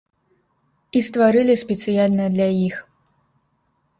І стварылі спецыяльна для іх.